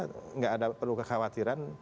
tidak perlu kekhawatiran